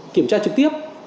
kiểm tra trực tiếp